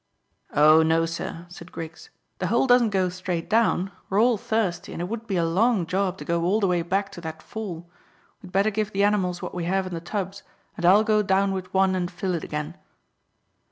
"Oh no, sir," said Griggs; "the hole doesn't go straight down. We're all thirsty, and it would be a long job to go all the way back to that fall. We'd better give the animals what we have in the tubs, and I'll go down with one and fill it again."